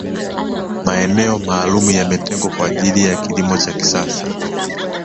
maeneo maalum yametengwa kwa ajili ya kilimo cha kisasa